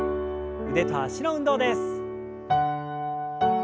腕と脚の運動です。